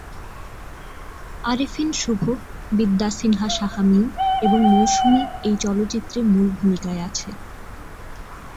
আরেফিন শুভ, বিদ্যা সিনহা সাহা মীম এবং মৌসুমী এই চলচ্চিত্রে মূল ভূমিকায় আছে।